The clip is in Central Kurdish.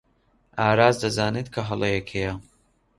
ئاراس دەزانێت کە هەڵەیەک هەیە.